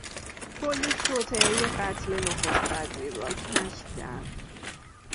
پلیس توطئهی قتل نخست وزیر را کشف کرد.